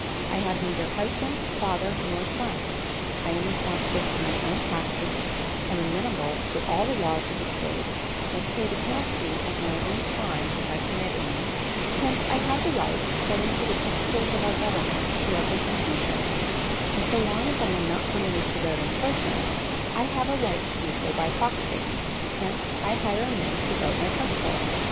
I have neither husband, father, nor son; I am responsible for my own taxes; am amenable to all the laws of the State; must pay the penalty of my own crimes if I commit any; hence I have the right, according to the principles of our government, to representation, and so long as I am not permitted to vote in person, I have a right to do so by proxy; hence I hire men to vote my principles.'"